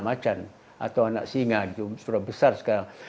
macan atau anak singa itu sudah besar sekarang